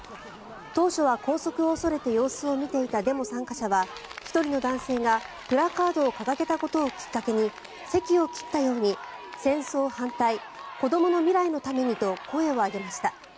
当初は拘束を恐れて様子を見ていたデモ参加者は１人の男性がプラカードを掲げたことをきっかけに堰を切ったように戦争反対子どもの未来のためにと声を上げました。